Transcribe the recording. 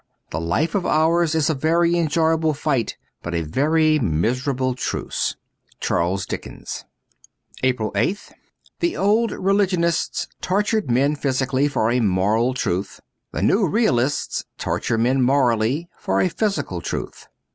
This life of ours is a very enjoyable fight, but a very miserable truce. * Charles Dickens.^ I 107 APRIL 8th THE old religionists tortured men physically for a moral truth. The new realists torture men morally for a physical truth.